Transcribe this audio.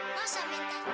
kau yang ngapain